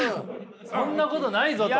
そんなことないぞと。